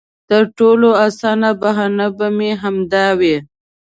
تر ټولو اسانه بهانه به مې همدا وي.